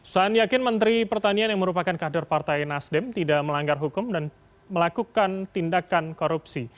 saan yakin menteri pertanian yang merupakan kader partai nasdem tidak melanggar hukum dan melakukan tindakan korupsi